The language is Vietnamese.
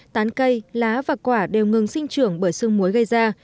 tán cây lá và quả đều ngừng sinh trưởng bởi sương muối gây ra